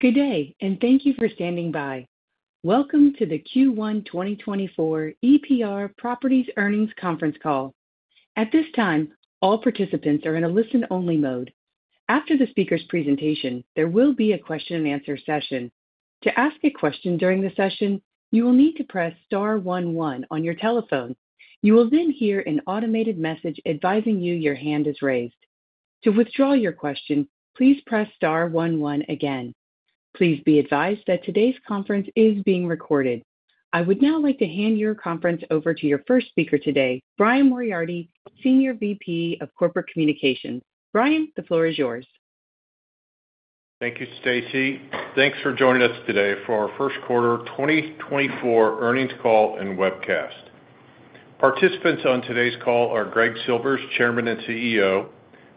Good day, and thank you for standing by. Welcome to the Q1 2024 EPR Properties earnings conference call. At this time, all participants are in a listen-only mode. After the speaker's presentation, there will be a question-and-answer session. To ask a question during the session, you will need to press star one one on your telephone. You will then hear an automated message advising you your hand is raised. To withdraw your question, please press star one one again. Please be advised that today's conference is being recorded. I would now like to hand your conference over to your first speaker today, Brian Moriarty, Senior VP of Corporate Communications. Brian, the floor is yours. Thank you, Stacey. Thanks for joining us today for our first quarter 2024 earnings call and webcast. Participants on today's call are Greg Silvers, Chairman and CEO;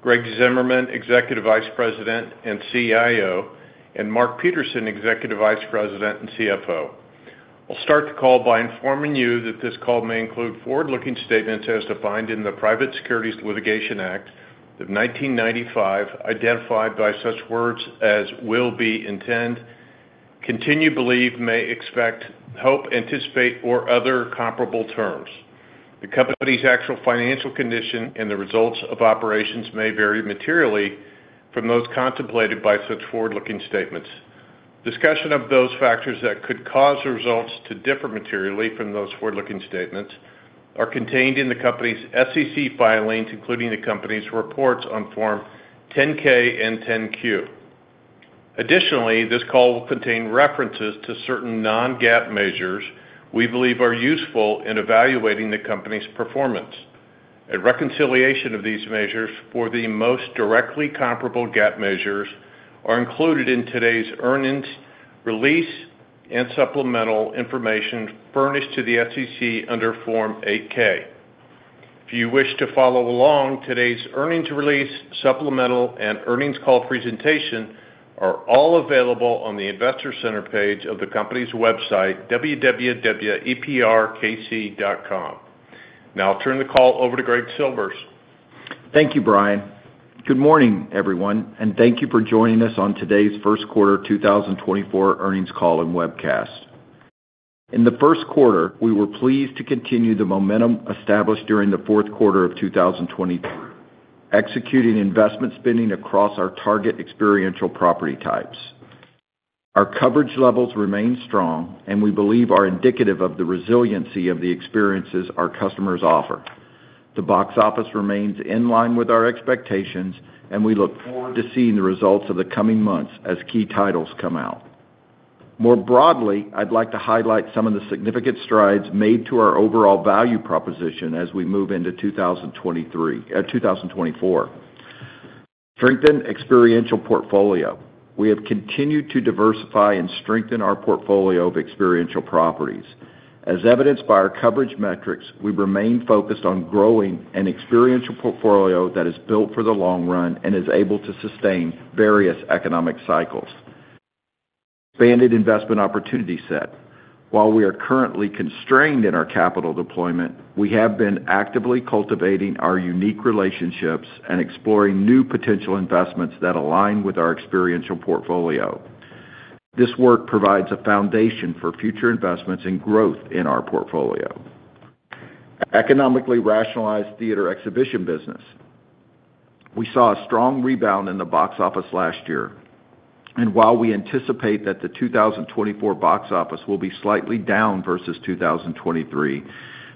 Greg Zimmerman, Executive Vice President and CIO; and Mark Peterson, Executive Vice President and CFO. I'll start the call by informing you that this call may include forward-looking statements as defined in the Private Securities Litigation Reform Act of 1995, identified by such words as "will be, intend, continue, believe, may expect, hope, anticipate," or other comparable terms. The company's actual financial condition and the results of operations may vary materially from those contemplated by such forward-looking statements. Discussion of those factors that could cause the results to differ materially from those forward-looking statements are contained in the company's SEC filings, including the company's reports on Form 10-K and 10-Q. Additionally, this call will contain references to certain non-GAAP measures we believe are useful in evaluating the company's performance. A reconciliation of these measures for the most directly comparable GAAP measures is included in today's earnings release and supplemental information furnished to the SEC under Form 8-K. If you wish to follow along, today's earnings release, supplemental, and earnings call presentation are all available on the Investor Center page of the company's website, www.eprkc.com. Now I'll turn the call over to Greg Silvers. Thank you, Brian. Good morning, everyone, and thank you for joining us on today's first quarter 2024 earnings call and webcast. In the first quarter, we were pleased to continue the momentum established during the fourth quarter of 2023, executing investment spending across our target experiential property types. Our coverage levels remain strong, and we believe are indicative of the resiliency of the experiences our customers offer. The box office remains in line with our expectations, and we look forward to seeing the results of the coming months as key titles come out. More broadly, I'd like to highlight some of the significant strides made to our overall value proposition as we move into 2024. Strengthen experiential portfolio. We have continued to diversify and strengthen our portfolio of experiential properties. As evidenced by our coverage metrics, we remain focused on growing an experiential portfolio that is built for the long run and is able to sustain various economic cycles. Expanded investment opportunity set. While we are currently constrained in our capital deployment, we have been actively cultivating our unique relationships and exploring new potential investments that align with our experiential portfolio. This work provides a foundation for future investments and growth in our portfolio. Economically rationalized theater exhibition business. We saw a strong rebound in the box office last year, and while we anticipate that the 2024 box office will be slightly down versus 2023,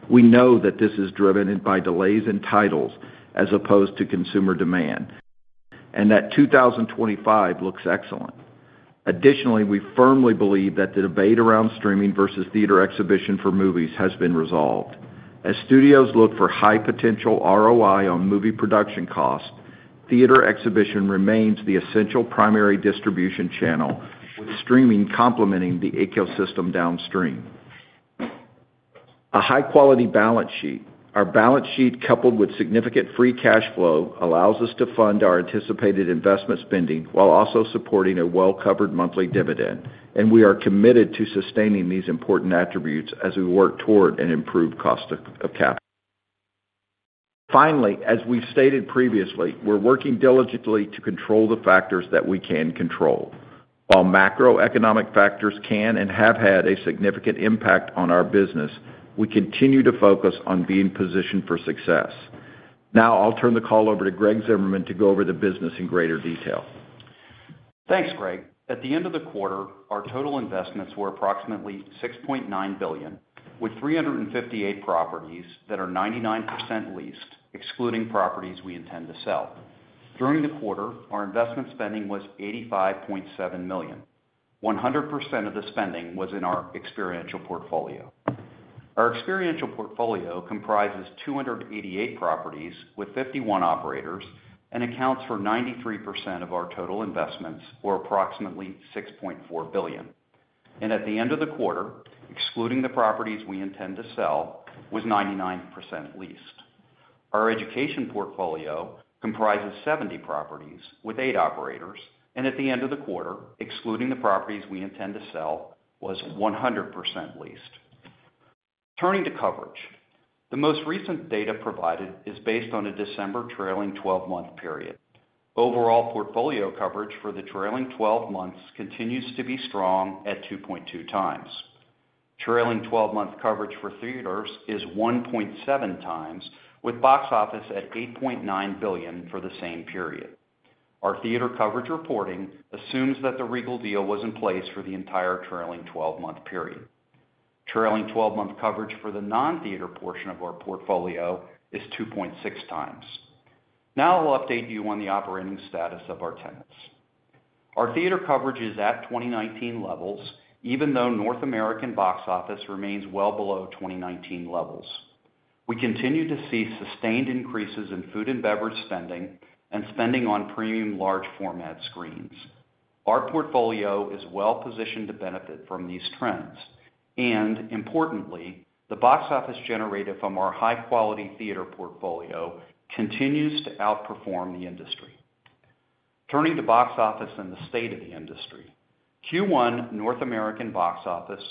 we know that this is driven by delays in titles as opposed to consumer demand and that 2025 looks excellent. Additionally, we firmly believe that the debate around streaming versus theater exhibition for movies has been resolved. As studios look for high-potential ROI on movie production costs, theater exhibition remains the essential primary distribution channel, with streaming complementing the ecosystem downstream. A high-quality balance sheet. Our balance sheet, coupled with significant free cash flow, allows us to fund our anticipated investment spending while also supporting a well-covered monthly dividend, and we are committed to sustaining these important attributes as we work toward an improved cost of capital. Finally, as we've stated previously, we're working diligently to control the factors that we can control. While macroeconomic factors can and have had a significant impact on our business, we continue to focus on being positioned for success. Now I'll turn the call over to Greg Zimmerman to go over the business in greater detail. Thanks, Greg. At the end of the quarter, our total investments were approximately $6.9 billion, with 358 properties that are 99% leased, excluding properties we intend to sell. During the quarter, our investment spending was $85.7 million. 100% of the spending was in our experiential portfolio. Our experiential portfolio comprises 288 properties with 51 operators and accounts for 93% of our total investments, or approximately $6.4 billion. At the end of the quarter, excluding the properties we intend to sell, was 99% leased. Our education portfolio comprises 70 properties with eight operators, and at the end of the quarter, excluding the properties we intend to sell, was 100% leased. Turning to coverage. The most recent data provided is based on a December trailing 12-month period. Overall portfolio coverage for the trailing 12 months continues to be strong at 2.2x. Trailing 12-month coverage for theaters is 1.7x, with box office at $8.9 billion for the same period. Our theater coverage reporting assumes that the Regal deal was in place for the entire trailing 12-month period. Trailing 12-month coverage for the non-theater portion of our portfolio is 2.6x. Now I'll update you on the operating status of our tenants. Our theater coverage is at 2019 levels, even though North American box office remains well below 2019 levels. We continue to see sustained increases in food and beverage spending and spending on premium large format screens. Our portfolio is well-positioned to benefit from these trends, and importantly, the box office generated from our high-quality theater portfolio continues to outperform the industry. Turning to box office and the state of the industry. Q1 North American box office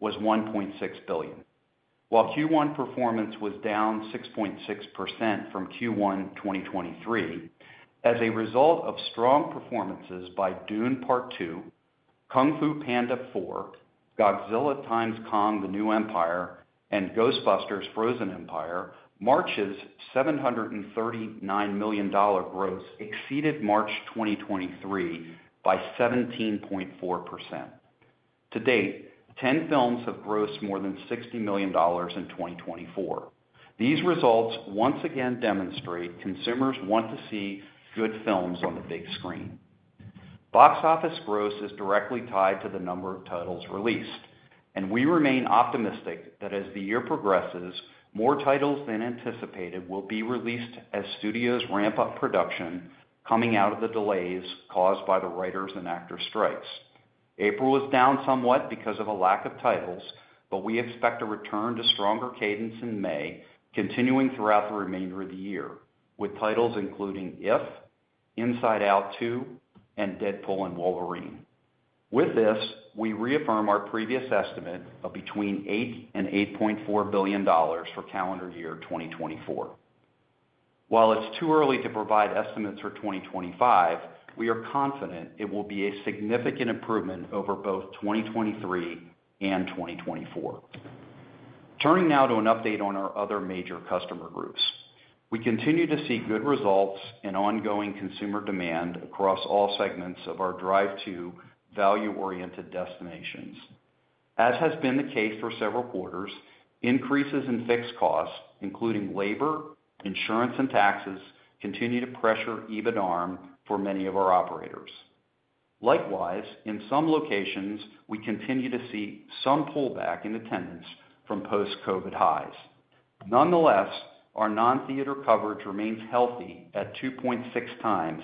was $1.6 billion, while Q1 performance was down 6.6% from Q1 2023. As a result of strong performances by Dune: Part Two, Kung Fu Panda 4, Godzilla x Kong: The New Empire, and Ghostbusters: Frozen Empire, March's $739 million gross exceeded March 2023 by 17.4%. To date, 10 films have grossed more than $60 million in 2024. These results once again demonstrate that consumers want to see good films on the big screen. Box office gross is directly tied to the number of titles released, and we remain optimistic that as the year progresses, more titles than anticipated will be released as studios ramp up production coming out of the delays caused by the writers' and actors' strikes. April was down somewhat because of a lack of titles, but we expect a return to a stronger cadence in May, continuing throughout the remainder of the year, with titles including IF, Inside Out 2, and Deadpool & Wolverine. With this, we reaffirm our previous estimate of between $8 billion and $8.4 billion for calendar year 2024. While it's too early to provide estimates for 2025, we are confident it will be a significant improvement over both 2023 and 2024. Turning now to an update on our other major customer groups. We continue to see good results in ongoing consumer demand across all segments of our drive-to value-oriented destinations. As has been the case for several quarters, increases in fixed costs, including labor, insurance, and taxes, continue to pressure EBITDAre for many of our operators. Likewise, in some locations, we continue to see some pullback in attendance from post-COVID highs. Nonetheless, our non-theater coverage remains healthy at 2.6x,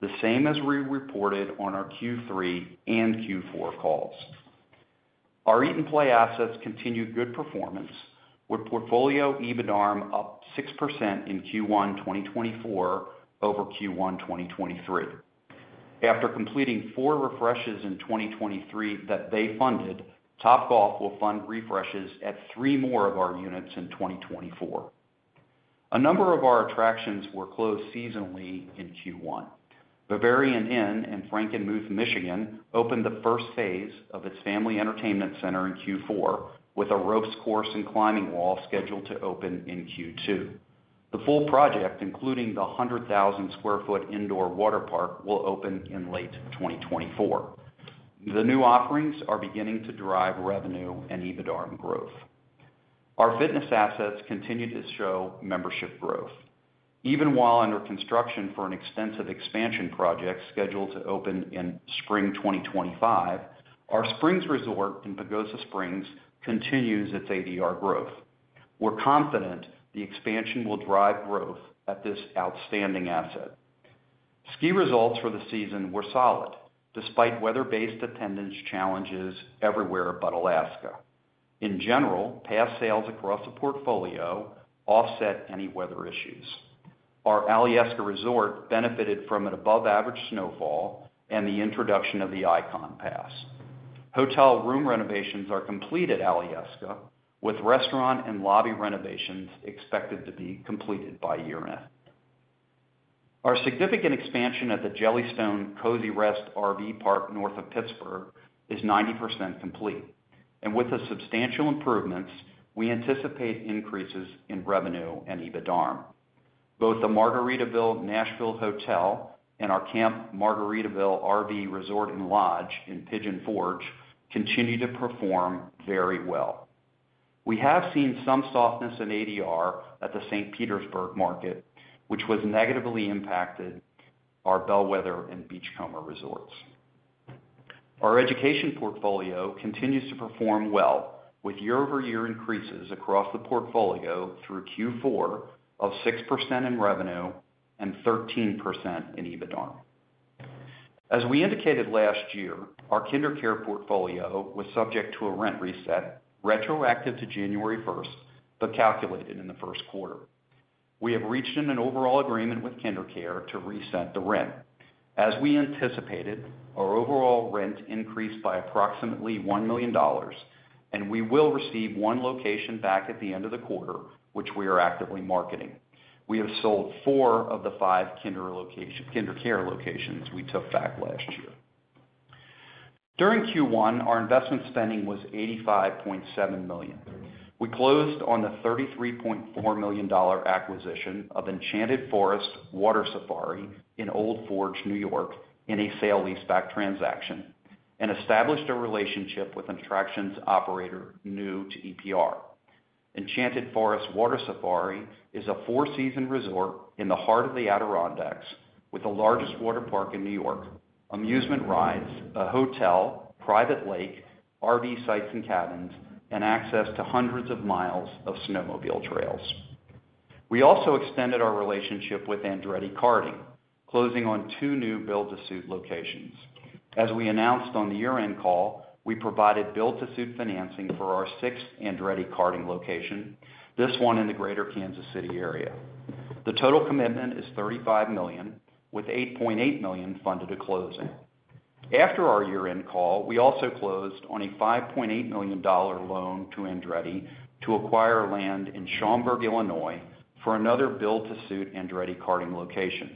the same as we reported on our Q3 and Q4 calls. Our eat-and-play assets continue good performance, with portfolio EBITDAre up 6% in Q1 2024 over Q1 2023. After completing four refreshes in 2023 that they funded, Topgolf will fund refreshes at three more of our units in 2024. A number of our attractions were closed seasonally in Q1. Bavarian Inn in Frankenmuth, Michigan, opened the first phase of its family entertainment center in Q4, with a ropes course and climbing wall scheduled to open in Q2. The full project, including the 100,000-sq-ft indoor water park, will open in late 2024. The new offerings are beginning to drive revenue and EBITDA margin growth. Our fitness assets continue to show membership growth. Even while under construction for an extensive expansion project scheduled to open in spring 2025, our Springs Resort in Pagosa Springs continues its ADR growth. We're confident the expansion will drive growth at this outstanding asset. Ski results for the season were solid, despite weather-based attendance challenges everywhere but Alaska. In general, pass sales across the portfolio offset any weather issues. Our Alaska resort benefited from an above-average snowfall and the introduction of the Ikon Pass. Hotel room renovations are completed at Alaska, with restaurant and lobby renovations expected to be completed by year-end. Our significant expansion at the Jellystone Kozy Rest RV Park north of Pittsburgh is 90% complete, and with the substantial improvements, we anticipate increases in revenue and EBITDAre. Both the Margaritaville Nashville Hotel and our Camp Margaritaville RV Resort and Lodge in Pigeon Forge continue to perform very well. We have seen some softness in ADR at the St. Petersburg Market, which was negatively impacted our Bellwether and Beachcomber resorts. Our education portfolio continues to perform well, with year-over-year increases across the portfolio through Q4 of 6% in revenue and 13% in EBITDAre. As we indicated last year, our KinderCare portfolio was subject to a rent reset retroactive to January 1st, but calculated in the first quarter. We have reached an overall agreement with KinderCare to reset the rent. As we anticipated, our overall rent increased by approximately $1 million, and we will receive one location back at the end of the quarter, which we are actively marketing. We have sold four of the five KinderCare locations we took back last year. During Q1, our investment spending was $85.7 million. We closed on the $33.4 million acquisition of Enchanted Forest Water Safari in Old Forge, New York, in a sale-leaseback transaction, and established a relationship with an attractions operator new to EPR. Enchanted Forest Water Safari is a four-season resort in the heart of the Adirondacks, with the largest water park in New York, amusement rides, a hotel, private lake, RV sites and cabins, and access to hundreds of miles of snowmobile trails. We also extended our relationship with Andretti Karting, closing on two new build-to-suit locations. As we announced on the year-end call, we provided build-to-suit financing for our sixth Andretti Karting location, this one in the greater Kansas City area. The total commitment is $35 million, with $8.8 million funded to closing. After our year-end call, we also closed on a $5.8 million loan to Andretti to acquire land in Schaumburg, Illinois, for another build-to-suit Andretti Karting location.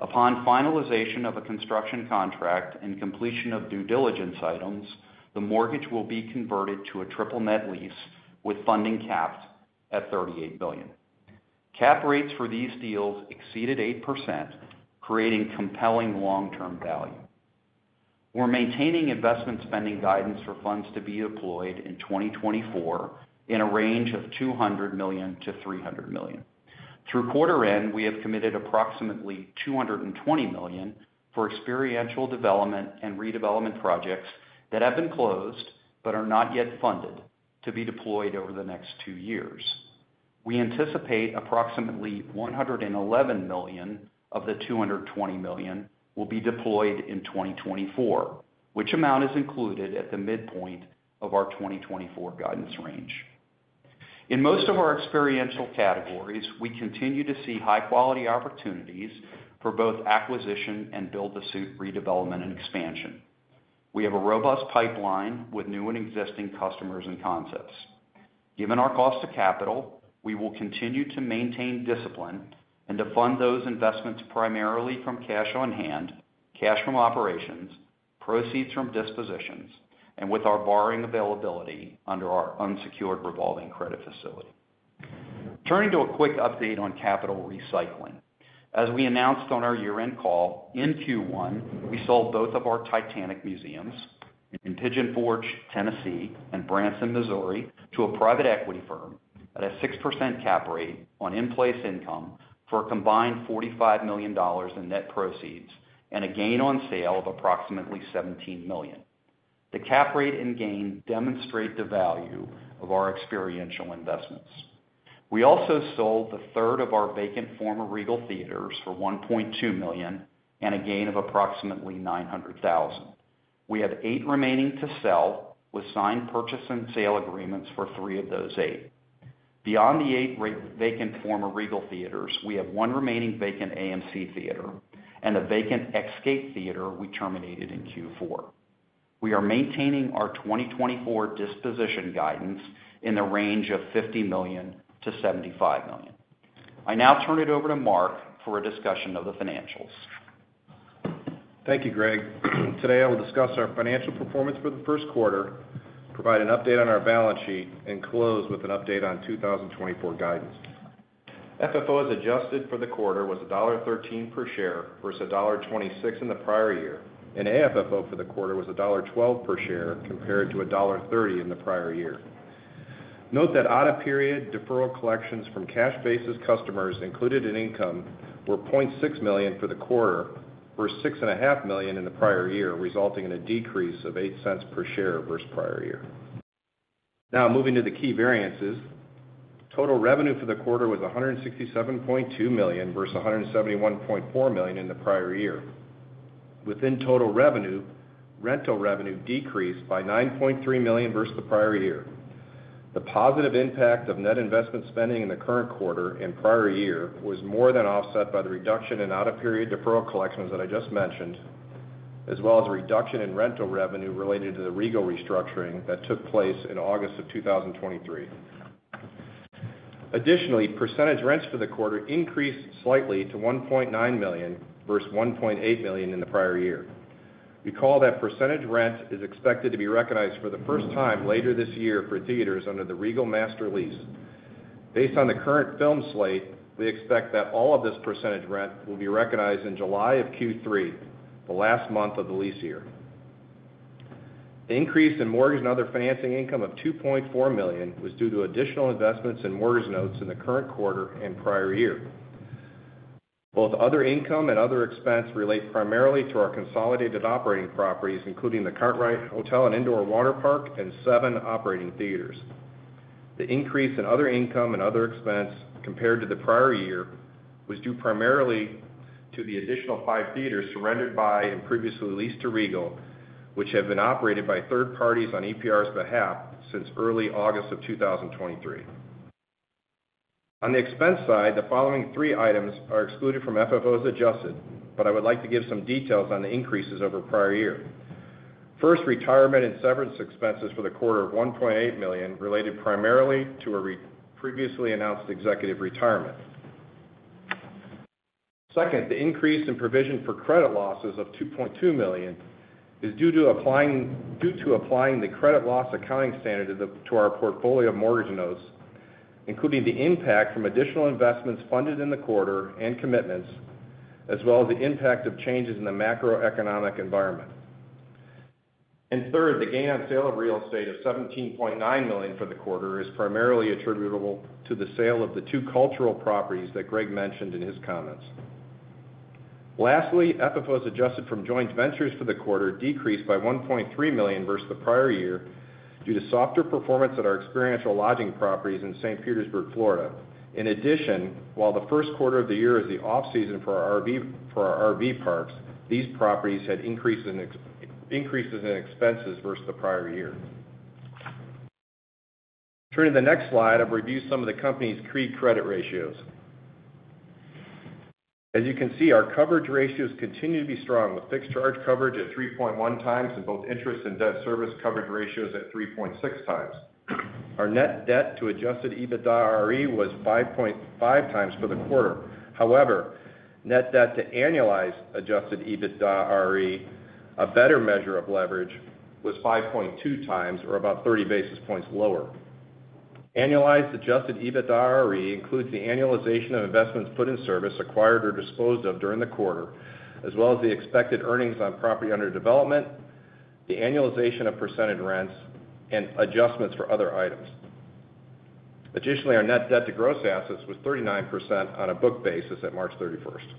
Upon finalization of a construction contract and completion of due diligence items, the mortgage will be converted to a triple net lease with funding capped at $38 million. Cap rates for these deals exceeded 8%, creating compelling long-term value. We're maintaining investment spending guidance for funds to be deployed in 2024 in a range of $200 million-$300 million. Through quarter-end, we have committed approximately $220 million for experiential development and redevelopment projects that have been closed but are not yet funded to be deployed over the next two years. We anticipate approximately $111 million of the $220 million will be deployed in 2024, which amount is included at the midpoint of our 2024 guidance range. In most of our experiential categories, we continue to see high-quality opportunities for both acquisition and build-to-suit redevelopment and expansion. We have a robust pipeline with new and existing customers and concepts. Given our cost of capital, we will continue to maintain discipline and to fund those investments primarily from cash on hand, cash from operations, proceeds from dispositions, and with our borrowing availability under our unsecured revolving credit facility. Turning to a quick update on capital recycling. As we announced on our year-end call, in Q1, we sold both of our Titanic museums in Pigeon Forge, Tennessee, and Branson, Missouri, to a private equity firm at a 6% cap rate on in-place income for a combined $45 million in net proceeds and a gain on sale of approximately $17 million. The cap rate and gain demonstrate the value of our experiential investments. We also sold the third of our vacant former Regal theaters for $1.2 million and a gain of approximately $900,000. We have eight remaining to sell, with signed purchase and sale agreements for three of those eight. Beyond the eight vacant former Regal theaters, we have one remaining vacant AMC theater and a vacant Xscape theater we terminated in Q4. We are maintaining our 2024 disposition guidance in the range of $50 million-$75 million. I now turn it over to Mark for a discussion of the financials. Thank you, Greg. Today, I will discuss our financial performance for the first quarter, provide an update on our balance sheet, and close with an update on 2024 guidance. FFO as adjusted for the quarter was $1.13 per share versus $1.26 in the prior year, and AFFO for the quarter was $1.12 per share compared to $1.30 in the prior year. Note that out-of-period deferral collections from cash-basis customers included in income were $0.6 million for the quarter versus $6.5 million in the prior year, resulting in a decrease of $0.08 per share versus prior year. Now, moving to the key variances. Total revenue for the quarter was $167.2 million versus $171.4 million in the prior year. Within total revenue, rental revenue decreased by $9.3 million versus the prior year. The positive impact of net investment spending in the current quarter and prior year was more than offset by the reduction in out-of-period deferral collections that I just mentioned, as well as a reduction in rental revenue related to the Regal restructuring that took place in August of 2023. Additionally, percentage rents for the quarter increased slightly to $1.9 million versus $1.8 million in the prior year. Recall that percentage rent is expected to be recognized for the first time later this year for theaters under the Regal master lease. Based on the current film slate, we expect that all of this percentage rent will be recognized in July of Q3, the last month of the lease year. The increase in mortgage and other financing income of $2.4 million was due to additional investments in mortgage notes in the current quarter and prior year. Both other income and other expense relate primarily to our consolidated operating properties, including the Kartrite Hotel and Indoor Water Park and seven operating theaters. The increase in other income and other expense compared to the prior year was due primarily to the additional 5 theaters surrendered by and previously leased to Regal, which have been operated by third parties on EPR's behalf since early August of 2023. On the expense side, the following 3 items are excluded from FFO as adjusted, but I would like to give some details on the increases over prior year. First, retirement and severance expenses for the quarter of $1.8 million related primarily to a previously announced executive retirement. Second, the increase in provision for credit losses of $2.2 million is due to applying the credit loss accounting standard to our portfolio of mortgage notes, including the impact from additional investments funded in the quarter and commitments, as well as the impact of changes in the macroeconomic environment. And third, the gain on sale of real estate of $17.9 million for the quarter is primarily attributable to the sale of the two cultural properties that Greg mentioned in his comments. Lastly, FFOs adjusted from joint ventures for the quarter decreased by $1.3 million versus the prior year due to softer performance at our experiential lodging properties in St. Petersburg, Florida. In addition, while the first quarter of the year is the off-season for our RV parks, these properties had increases in expenses versus the prior year. Turning to the next slide, I've reviewed some of the company's key credit ratios. As you can see, our coverage ratios continue to be strong, with fixed charge coverage at 3.1x and both interest and debt service coverage ratios at 3.6x. Our net debt to Adjusted EBITDAre was 5.5x for the quarter. However, net debt to annualized Adjusted EBITDAre, a better measure of leverage, was 5.2x or about 30 basis points lower. Annualized Adjusted EBITDAre includes the annualization of investments put in service, acquired, or disposed of during the quarter, as well as the expected earnings on property under development, the annualization of percentage rents, and adjustments for other items. Additionally, our net debt to gross assets was 39% on a book basis at March 31st.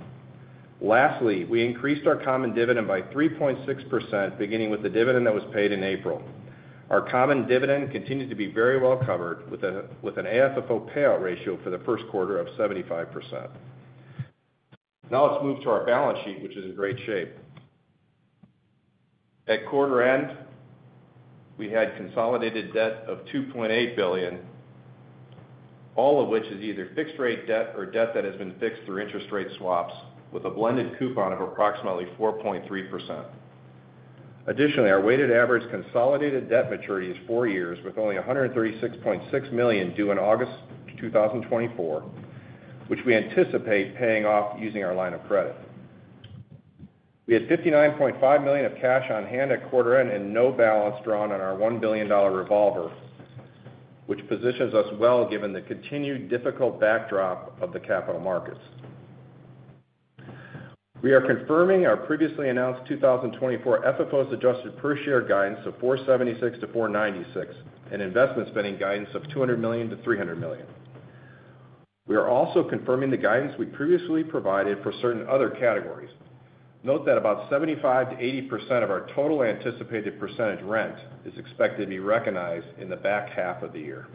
Lastly, we increased our common dividend by 3.6%, beginning with the dividend that was paid in April. Our common dividend continues to be very well covered with an AFFO payout ratio for the first quarter of 75%. Now let's move to our balance sheet, which is in great shape. At quarter-end, we had consolidated debt of $2.8 billion, all of which is either fixed-rate debt or debt that has been fixed through interest rate swaps with a blended coupon of approximately 4.3%. Additionally, our weighted average consolidated debt maturity is four years, with only $136.6 million due in August 2024, which we anticipate paying off using our line of credit. We had $59.5 million of cash on hand at quarter-end and no balance drawn on our $1 billion revolver, which positions us well given the continued difficult backdrop of the capital markets. We are confirming our previously announced 2024 FFO as adjusted per share guidance of $4.76-$4.96 and investment spending guidance of $200 million-$300 million. We are also confirming the guidance we previously provided for certain other categories. Note that about 75%-80% of our total anticipated percentage rent is expected to be recognized in the back half of the year.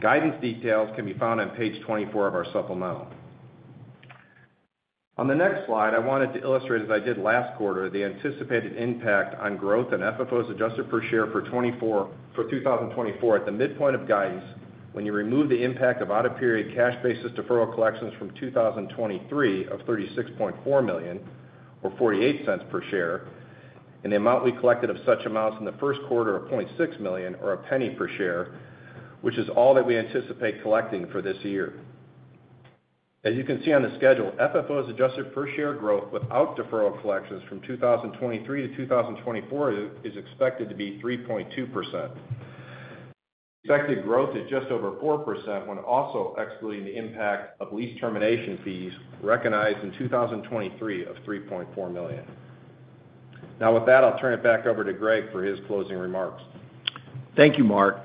Guidance details can be found on page 24 of our supplemental. On the next slide, I wanted to illustrate, as I did last quarter, the anticipated impact on growth in FFOs adjusted per share for 2024 at the midpoint of guidance when you remove the impact of out-of-period cash-basis deferral collections from 2023 of $36.4 million or $0.48 per share and the amount we collected of such amounts in the first quarter of $0.6 million or $0.01 per share, which is all that we anticipate collecting for this year. As you can see on the schedule, FFOs adjusted per share growth without deferral collections from 2023 to 2024 is expected to be 3.2%. Expected growth is just over 4% when also excluding the impact of lease termination fees recognized in 2023 of $3.4 million. Now, with that, I'll turn it back over to Greg for his closing remarks. Thank you, Mark.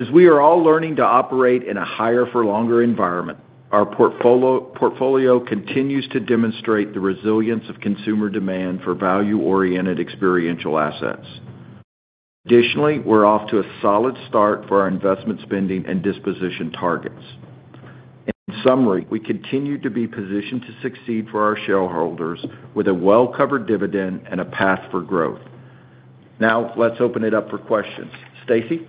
As we are all learning to operate in a higher-for-longer environment, our portfolio continues to demonstrate the resilience of consumer demand for value-oriented experiential assets. Additionally, we're off to a solid start for our investment spending and disposition targets. In summary, we continue to be positioned to succeed for our shareholders with a well-covered dividend and a path for growth. Now, let's open it up for questions. Stacey?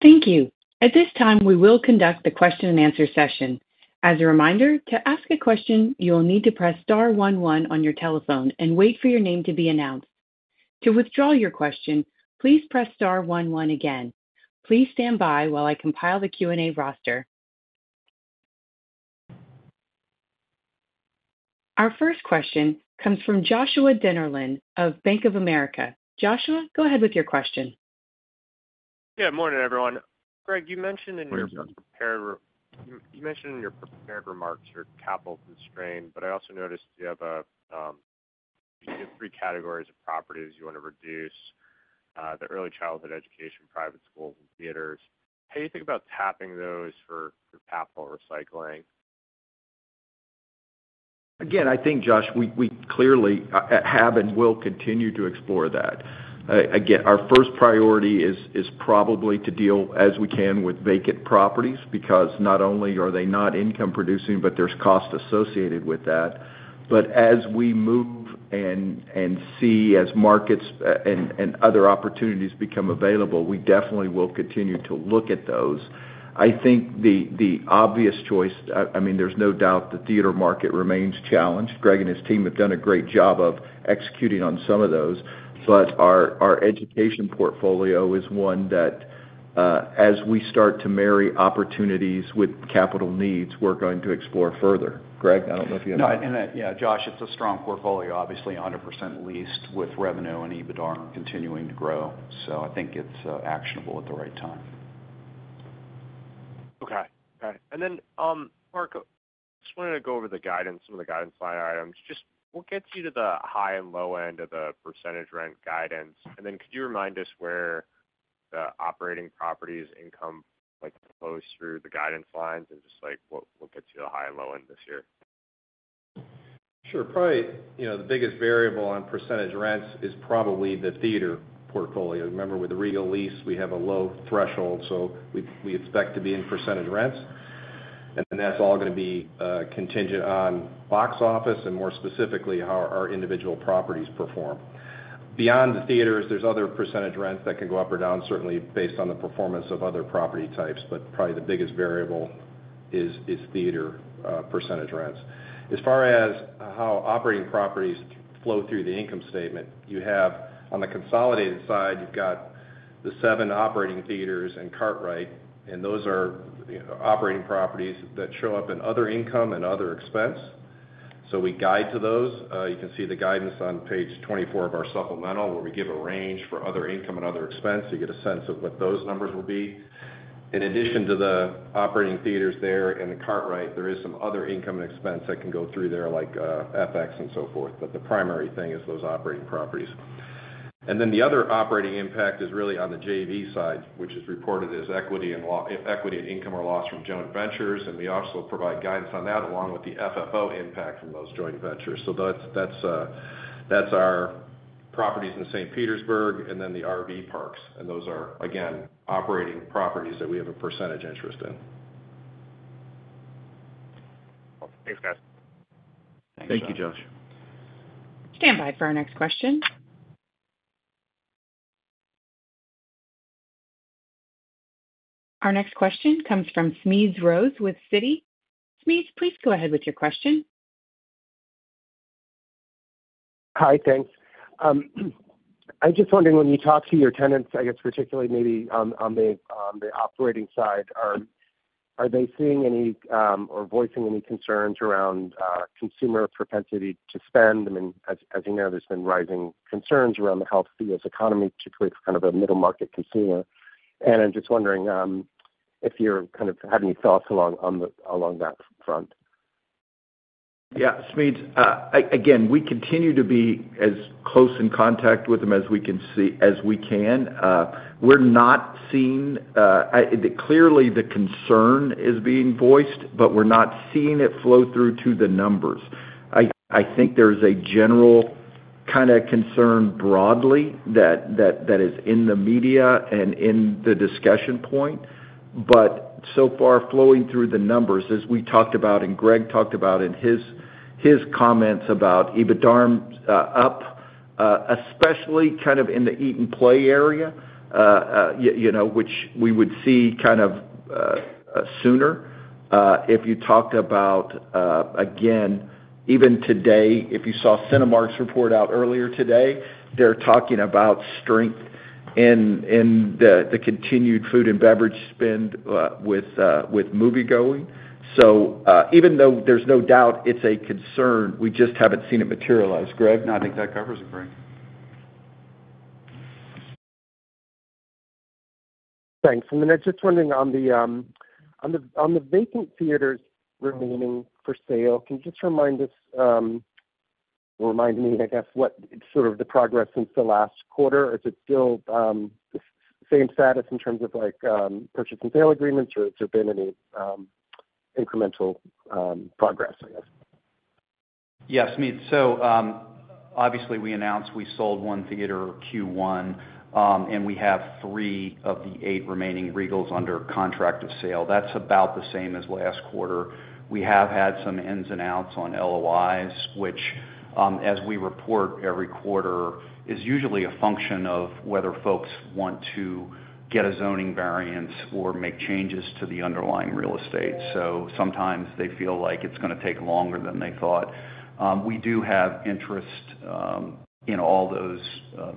Thank you. At this time, we will conduct the question-and-answer session. As a reminder, to ask a question, you will need to press star one one on your telephone and wait for your name to be announced. To withdraw your question, please press star one one again. Please stand by while I compile the Q&A roster. Our first question comes from Joshua Dennerlein of Bank of America. Joshua, go ahead with your question. Yeah. Morning, everyone. Greg, you mentioned in your prepared remarks you're capital constrained, but I also noticed you have three categories of properties you want to reduce: the early childhood education, private schools, and theaters. How do you think about tapping those for capital recycling? Again, I think, Josh, we clearly have and will continue to explore that. Again, our first priority is probably to deal as we can with vacant properties because not only are they not income-producing, but there's cost associated with that. But as we move and see, as markets and other opportunities become available, we definitely will continue to look at those. I think the obvious choice, I mean, there's no doubt the theater market remains challenged. Greg and his team have done a great job of executing on some of those. But our education portfolio is one that, as we start to marry opportunities with capital needs, we're going to explore further. Greg, I don't know if you have any. No. And yeah, Josh, it's a strong portfolio, obviously, 100% leased with revenue and EBITDA continuing to grow. So I think it's actionable at the right time. Okay. Okay. And then, Mark, I just wanted to go over some of the guidance line items. What gets you to the high and low end of the percentage rent guidance? And then could you remind us where the operating properties income flows through the guidance lines, and just what gets you to the high and low end this year? Sure. Probably the biggest variable on percentage rents is probably the theater portfolio. Remember, with a Regal lease, we have a low threshold, so we expect to be in percentage rents. And then that's all going to be contingent on box office and, more specifically, how our individual properties perform. Beyond the theaters, there's other percentage rents that can go up or down, certainly based on the performance of other property types. But probably the biggest variable is theater percentage rents. As far as how operating properties flow through the income statement, on the consolidated side, you've got the seven operating theaters and Kartrite. And those are operating properties that show up in other income and other expenses. So we guide to those. You can see the guidance on page 24 of our supplemental, where we give a range for other income and other expenses. You get a sense of what those numbers will be. In addition to the operating theaters there and the Kartrite, there is some other income and expenses that can go through there, like FX and so forth. But the primary thing is those operating properties. And then the other operating impact is really on the JV side, which is reported as equity and income or loss from joint ventures. And we also provide guidance on that, along with the FFO impact from those joint ventures. So that's our properties in St. Petersburg and then the RV parks. And those are, again, operating properties that we have a percentage interest in. Thanks, guys. Thank you. Thank you, Josh. Stand by for our next question. Our next question comes from Smedes Rose with Citi. Smedes, please go ahead with your question. Hi. Thanks. I'm just wondering, when you talk to your tenants, I guess particularly maybe on the operating side, are they seeing any or voicing any concerns around consumer propensity to spend? I mean, as you know, there's been rising concerns around the healthy economy to create kind of middle-market consumer. I'm just wondering if you're kind of having any thoughts along that front. Yeah. Smedes, again, we continue to be as close in contact with them as we can, as we can. We're not seeing it clearly. The concern is being voiced, but we're not seeing it flow through to the numbers. I think there's a general kind of concern broadly that is in the media and in the discussion point. But so far, flowing through the numbers, as we talked about and Greg talked about in his comments about EBITDA up, especially kind of in the eat-and-play area, which we would see kind of sooner, if you talked about again, even today, if you saw Cinemark's report out earlier today, they're talking about strength in the continued food and beverage spend with movie-going. So even though there's no doubt it's a concern, we just haven't seen it materialize. Greg? No. I think that covers it, Greg. Thanks. And then I'm just wondering, on the vacant theaters remaining for sale, can you just remind us or remind me, I guess, what sort of progress since the last quarter? Is it still the same status in terms of purchase and sale agreements, or has there been any incremental progress, I guess? Yeah. Smedes, so obviously, we announced we sold 1 theater Q1, and we have three of the eighta remaining Regals under contract of sale. That's about the same as last quarter. We have had some ins and outs on LOIs, which, as we report every quarter, is usually a function of whether folks want to get a zoning variance or make changes to the underlying real estate. So sometimes they feel like it's going to take longer than they thought. We do have interest in all those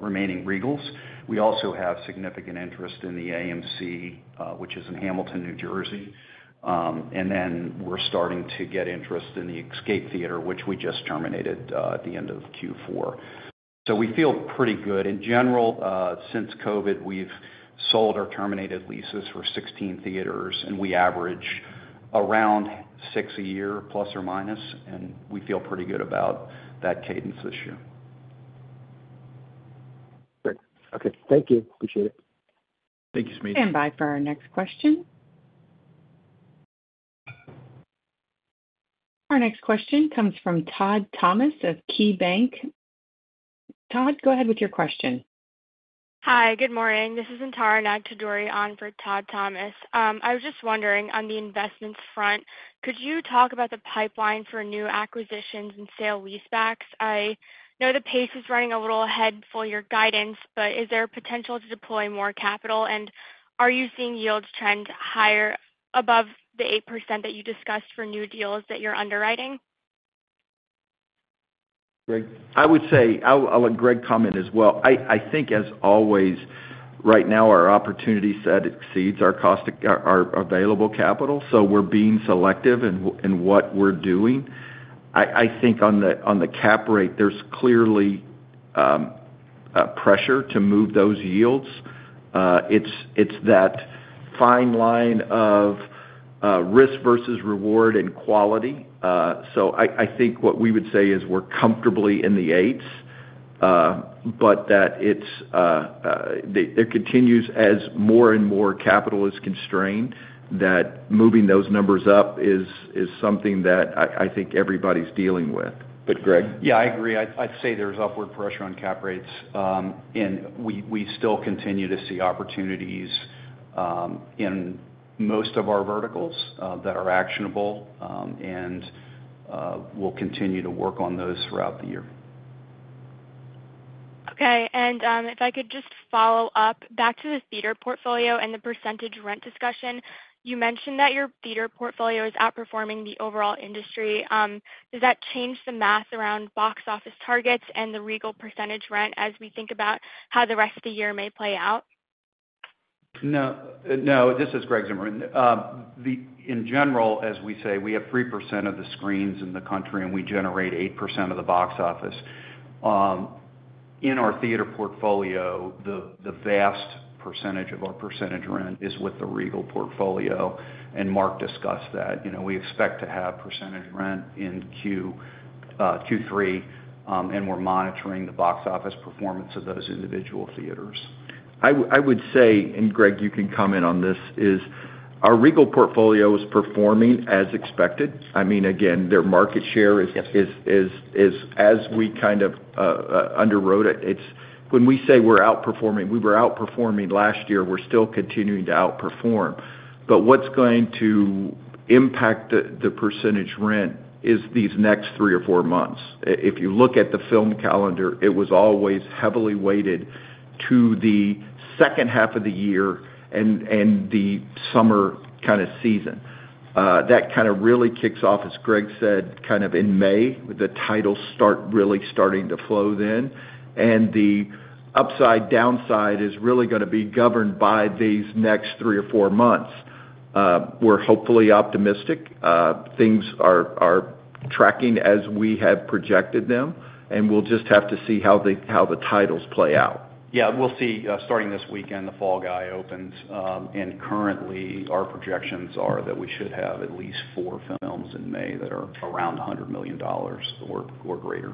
remaining Regals. We also have significant interest in the AMC, which is in Hamilton, New Jersey. And then we're starting to get interest in the Xscape theater, which we just terminated at the end of Q4. So we feel pretty good. In general, since COVID, we've sold our terminated leases for 16 theaters, and we average around 6 a year, plus or minus. We feel pretty good about that cadence this year. Great. Okay. Thank you. Appreciate it. Thank you, Smedes. Stand by for our next question. Our next question comes from Todd Thomas of KeyBanc Capital Markets. Todd, go ahead with your question. Hi. Good morning. This is Anurag Thewari on for Todd Thomas. I was just wondering, on the investments front, could you talk about the pipeline for new acquisitions and sale-leasebacks? I know the pace is running a little ahead for your guidance, but is there potential to deploy more capital? And are you seeing yields trend above the 8% that you discussed for new deals that you're underwriting? Greg? I'll let Greg comment as well. I think, as always, right now, our opportunity set exceeds our available capital. So we're being selective in what we're doing. I think on the cap rate, there's clearly pressure to move those yields. It's that fine line of risk versus reward and quality. So I think what we would say is we're comfortably in the 8s, but that it continues as more and more capital is constrained, that moving those numbers up is something that I think everybody's dealing with. But Greg? Yeah. I agree. I'd say there's upward pressure on cap rates. And we still continue to see opportunities in most of our verticals that are actionable, and we'll continue to work on those throughout the year. Okay. And if I could just follow up back to the theater portfolio and the percentage rent discussion, you mentioned that your theater portfolio is outperforming the overall industry. Does that change the math around box office targets and the Regal percentage rent as we think about how the rest of the year may play out? No. No. This is Greg Zimmerman. In general, as we say, we have 3% of the screens in the country, and we generate 8% of the box office. In our theater portfolio, the vast percentage of our percentage rent is with the Regal portfolio. Mark discussed that. We expect to have percentage rent in Q3, and we're monitoring the box office performance of those individual theaters. I would say, and Greg, you can comment on this, our Regal portfolio is performing as expected. I mean, again, their market share is as we kind of underwrote it. When we say we're outperforming, we were outperforming last year. We're still continuing to outperform. But what's going to impact the percentage rent is these next three or four months. If you look at the film calendar, it was always heavily weighted to the second half of the year and the summer kind of season. That kind of really kicks off, as Greg said, kind of in May. The titles start really starting to flow then. And the upside, downside is really going to be governed by these next three or four months. We're hopefully optimistic. Things are tracking as we have projected them. And we'll just have to see how the titles play out. Yeah. We'll see, starting this weekend, The Fall Guy opens. And currently, our projections are that we should have at least four films in May that are around $100 million or greater.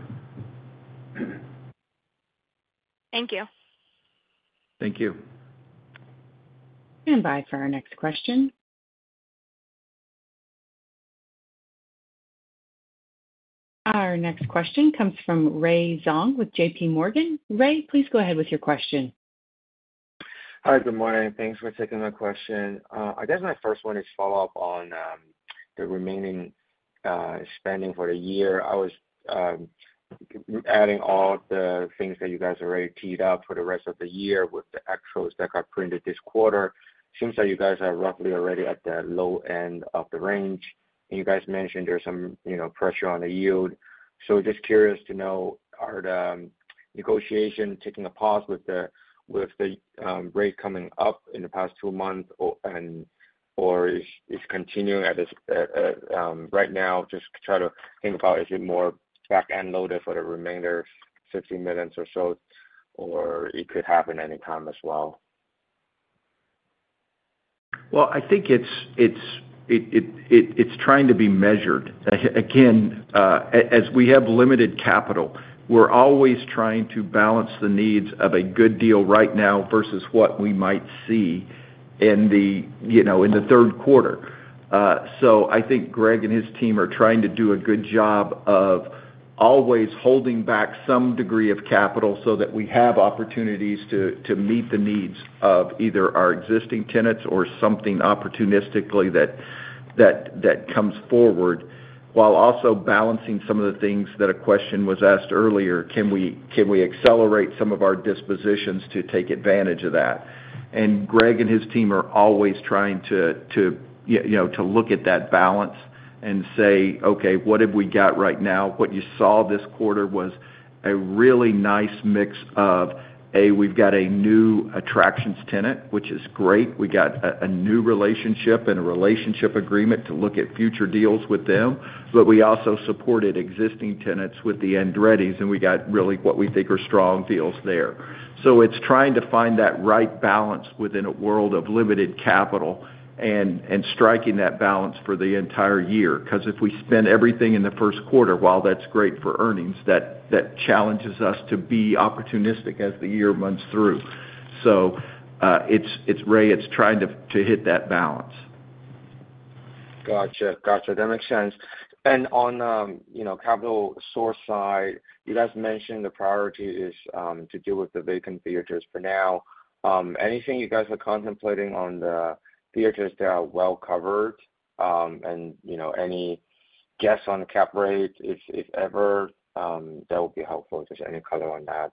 Thank you. Thank you. Stand by for our next question. Our next question comes from Ray Zhong with JPMorgan. Ray, please go ahead with your question. Hi. Good morning. Thanks for taking my question. I guess my first one is to follow up on the remaining spending for the year. I was adding all the things that you guys already teed up for the rest of the year with the actuals that got printed this quarter. It seems like you guys are roughly already at the low end of the range. And you guys mentioned there's some pressure on the yield. So just curious to know, are the negotiations taking a pause with the rate coming up in the past two months, or is it continuing right now? Just try to think about, is it more back-end loaded for the remainder of 15 minutes or so, or it could happen anytime as well? Well, I think it's trying to be measured. Again, as we have limited capital, we're always trying to balance the needs of a good deal right now versus what we might see in the third quarter. So I think Greg and his team are trying to do a good job of always holding back some degree of capital so that we have opportunities to meet the needs of either our existing tenants or something opportunistically that comes forward while also balancing some of the things that a question was asked earlier. Can we accelerate some of our dispositions to take advantage of that? And Greg and his team are always trying to look at that balance and say, "Okay. What have we got right now?" What you saw this quarter was a really nice mix of, A, we've got a new attractions tenant, which is great. We got a new relationship and a relationship agreement to look at future deals with them. But we also supported existing tenants with the Andretti's, and we got really what we think are strong deals there. So it's trying to find that right balance within a world of limited capital and striking that balance for the entire year. Because if we spend everything in the first quarter, while that's great for earnings, that challenges us to be opportunistic as the year moves through. So it's, Ray, it's trying to hit that balance. Gotcha. Gotcha. That makes sense. And on capital source side, you guys mentioned the priority is to deal with the vacant theaters for now. Anything you guys are contemplating on the theaters that are well covered and any guess on cap rate, if ever, that would be helpful. Just any color on that.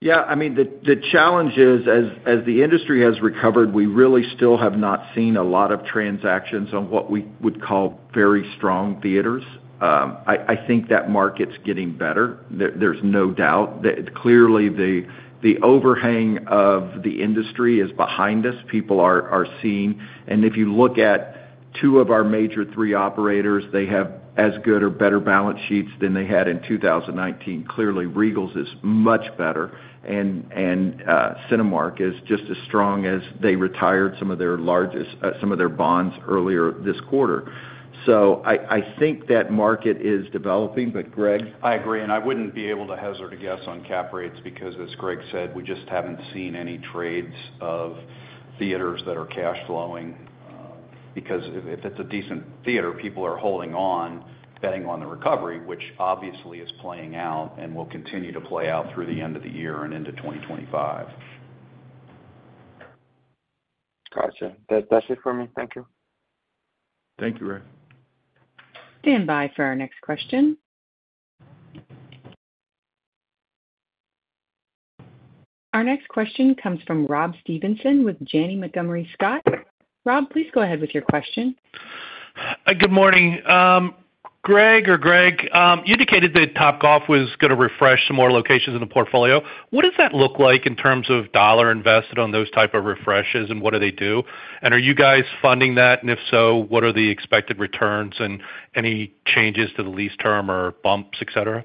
Yeah. I mean, the challenge is, as the industry has recovered, we really still have not seen a lot of transactions on what we would call very strong theaters. I think that market's getting better. There's no doubt. Clearly, the overhang of the industry is behind us. People are seeing. And if you look at two of our major three operators, they have as good or better balance sheets than they had in 2019. Clearly, Regal's is much better. And Cinemark is just as strong as they retired some of their largest bonds earlier this quarter. So I think that market is developing. But Greg? I agree. And I wouldn't be able to hazard a guess on cap rates because, as Greg said, we just haven't seen any trades of theaters that are cash-flowing. Because if it's a decent theater, people are holding on, betting on the recovery, which obviously is playing out and will continue to play out through the end of the year and into 2025. Gotcha. That's it for me. Thank you. Thank you, Ray. Stand by for our next question. Our next question comes from Rob Stevenson with Janney Montgomery Scott. Rob, please go ahead with your question. Good morning. Greg or Greg, you indicated that Topgolf was going to refresh some more locations in the portfolio. What does that look like in terms of dollar invested on those type of refreshes, and what do they do? And are you guys funding that? And if so, what are the expected returns and any changes to the lease term or bumps, etc.?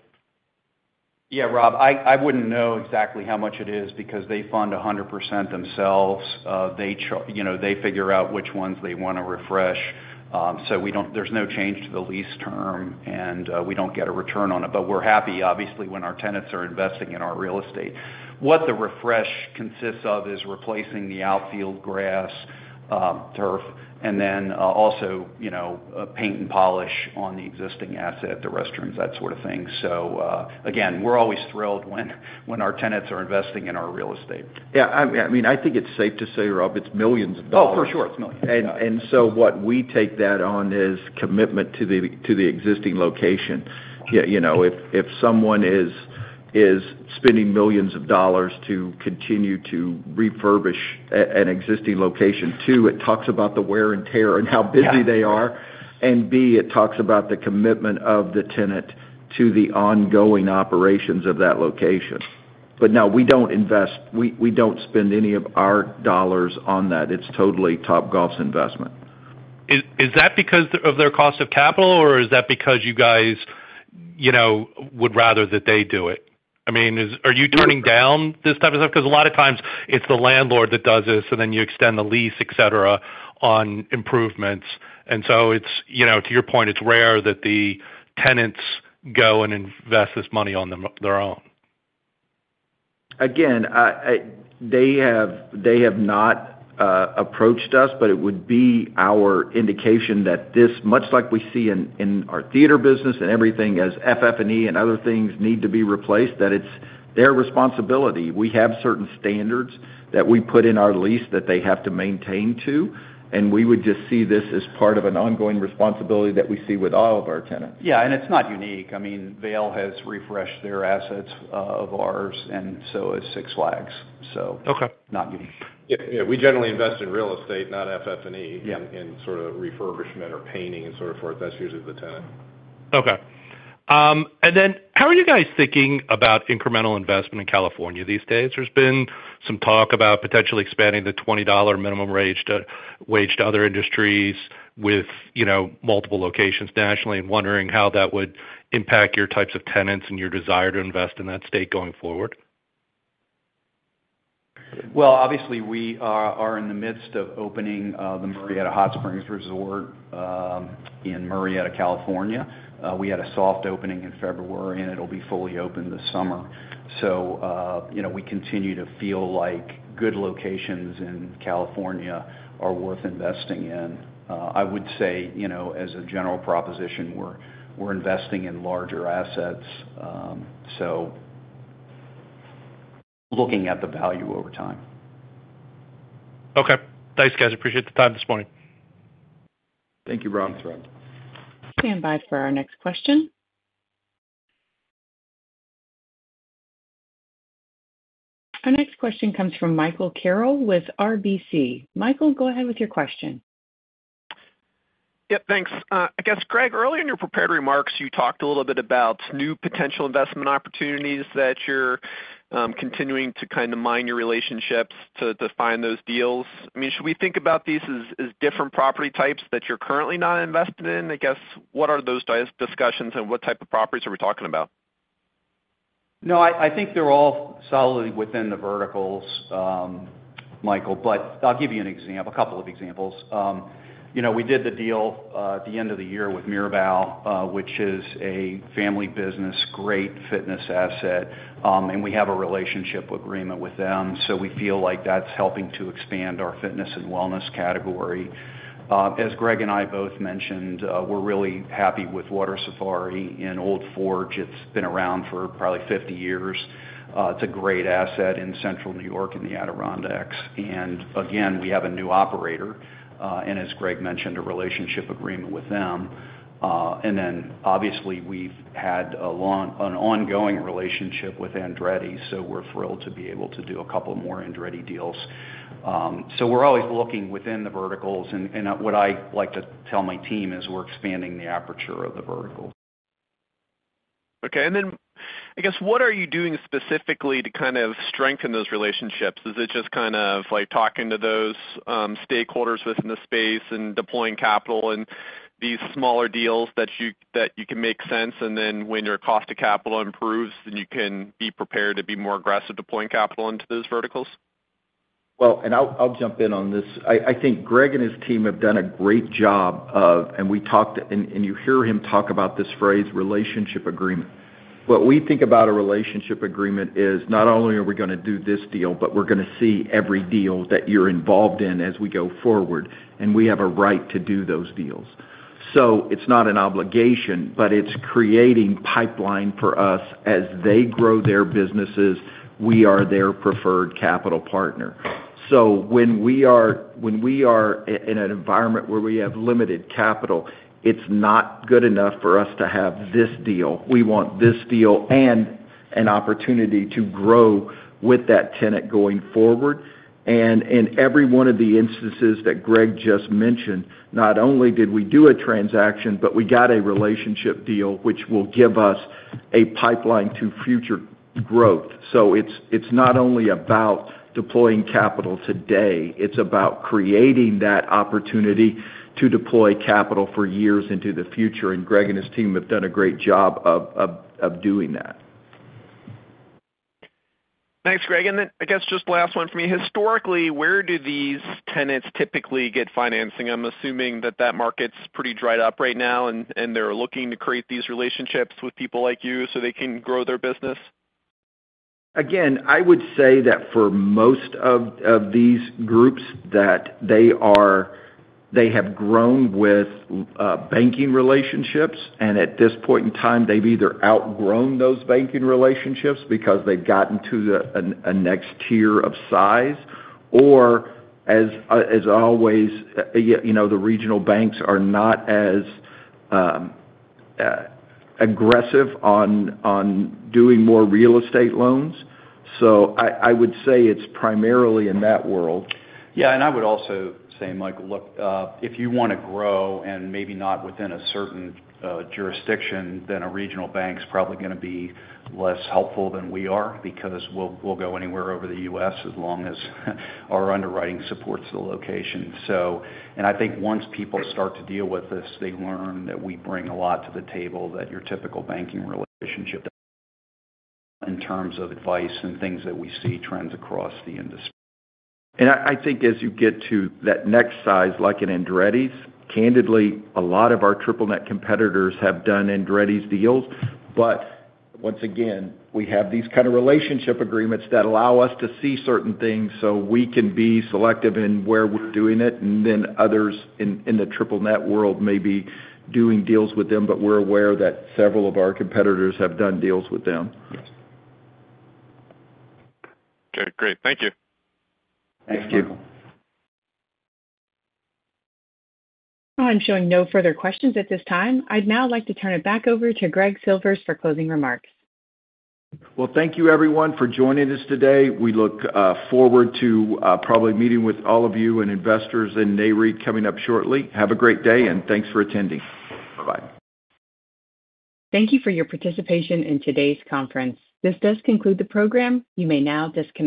Yeah. Rob, I wouldn't know exactly how much it is because they fund 100% themselves. They figure out which ones they want to refresh. So there's no change to the lease term, and we don't get a return on it. But we're happy, obviously, when our tenants are investing in our real estate. What the refresh consists of is replacing the outfield grass, turf, and then also paint and polish on the existing asset, the restrooms, that sort of thing. So again, we're always thrilled when our tenants are investing in our real estate. Yeah. I mean, I think it's safe to say, Rob, it's $millions. Oh, for sure. It's millions. What we take that on is commitment to the existing location. If someone is spending $ millions to continue to refurbish an existing location, too, it talks about the wear and tear and how busy they are. And B, it talks about the commitment of the tenant to the ongoing operations of that location. But no, we don't invest. We don't spend any of our dollars on that. It's totally Topgolf's investment. Is that because of their cost of capital, or is that because you guys would rather that they do it? I mean, are you turning down this type of stuff? Because a lot of times, it's the landlord that does this, and then you extend the lease, etc., on improvements. And so to your point, it's rare that the tenants go and invest this money on their own. Again, they have not approached us, but it would be our indication that this, much like we see in our theater business and everything as FF&E and other things need to be replaced, that it's their responsibility. We have certain standards that we put in our lease that they have to maintain, too. And we would just see this as part of an ongoing responsibility that we see with all of our tenants. Yeah. And it's not unique. I mean, Vail has refreshed their assets of ours, and so has Six Flags, so not unique. Yeah. Yeah. We generally invest in real estate, not FF&E, in sort of refurbishment or painting and so forth. That's usually the tenant. Okay. How are you guys thinking about incremental investment in California these days? There's been some talk about potentially expanding the $20 minimum wage to other industries with multiple locations nationally and wondering how that would impact your types of tenants and your desire to invest in that state going forward? Well, obviously, we are in the midst of opening the Murrieta Hot Springs Resort in Murrieta, California. We had a soft opening in February, and it'll be fully open this summer. So we continue to feel like good locations in California are worth investing in. I would say, as a general proposition, we're investing in larger assets, so looking at the value over time. Okay. Thanks, guys. Appreciate the time this morning. Thank you, Rob. Stand by for our next question. Our next question comes from Michael Carroll with RBC. Michael, go ahead with your question. Yep. Thanks. I guess, Greg, earlier in your prepared remarks, you talked a little bit about new potential investment opportunities that you're continuing to kind of mine your relationships to find those deals. I mean, should we think about these as different property types that you're currently not invested in? I guess, what are those discussions, and what type of properties are we talking about? No. I think they're all solidly within the verticals, Michael. I'll give you a couple of examples. We did the deal at the end of the year with Mirbeau, which is a family business, a great fitness asset. We have a relationship agreement with them. So we feel like that's helping to expand our fitness and wellness category. As Greg and I both mentioned, we're really happy with Water Safari and Old Forge. It's been around for probably 50 years. It's a great asset in Central New York and the Adirondacks. Again, we have a new operator. As Greg mentioned, a relationship agreement with them. Then obviously, we've had an ongoing relationship with Andretti, so we're thrilled to be able to do a couple more Andretti deals. So we're always looking within the verticals. What I like to tell my team is we're expanding the aperture of the verticals. Okay. And then I guess, what are you doing specifically to kind of strengthen those relationships? Is it just kind of talking to those stakeholders within the space and deploying capital in these smaller deals that you can make sense? And then when your cost of capital improves, then you can be prepared to be more aggressive in deploying capital into those verticals? Well, I'll jump in on this. I think Greg and his team have done a great job, and you hear him talk about this phrase, relationship agreement. What we think about a relationship agreement is not only are we going to do this deal, but we're going to see every deal that you're involved in as we go forward. We have a right to do those deals. So it's not an obligation, but it's creating a pipeline for us. As they grow their businesses, we are their preferred capital partner. So when we are in an environment where we have limited capital, it's not good enough for us to have this deal. We want this deal and an opportunity to grow with that tenant going forward. In every one of the instances that Greg just mentioned, not only did we do a transaction, but we got a relationship deal which will give us a pipeline to future growth. It's not only about deploying capital today. It's about creating that opportunity to deploy capital for years into the future. Greg and his team have done a great job of doing that. Thanks, Greg. And then I guess just last one for me. Historically, where do these tenants typically get financing? I'm assuming that that market's pretty dried up right now, and they're looking to create these relationships with people like you so they can grow their business. Again, I would say that for most of these groups, they have grown with banking relationships. At this point in time, they've either outgrown those banking relationships because they've gotten to a next tier of size, or as always, the regional banks are not as aggressive on doing more real estate loans. I would say it's primarily in that world. Yeah. I would also say, Michael, look, if you want to grow and maybe not within a certain jurisdiction, then a regional bank's probably going to be less helpful than we are because we'll go anywhere over the U.S. as long as our underwriting supports the location. And I think once people start to deal with this, they learn that we bring a lot to the table that your typical banking relationship doesn't in terms of advice and things that we see trends across the industry. And I think as you get to that next size, like an Andretti's, candidly, a lot of our Triple Net competitors have done Andretti's deals. But once again, we have these kind of relationship agreements that allow us to see certain things so we can be selective in where we're doing it. And then others in the Triple Net world may be doing deals with them, but we're aware that several of our competitors have done deals with them. Okay. Great. Thank you. Thank you. Well, I'm showing no further questions at this time. I'd now like to turn it back over to Greg Silvers for closing remarks. Well, thank you, everyone, for joining us today. We look forward to probably meeting with all of you and investors in Nareit coming up shortly. Have a great day, and thanks for attending. Bye-bye. Thank you for your participation in today's conference. This does conclude the program. You may now disconnect.